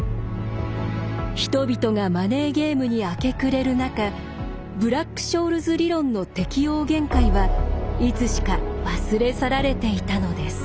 人々がマネーゲームに明け暮れる中ブラック・ショールズ理論の適用限界はいつしか忘れ去られていたのです。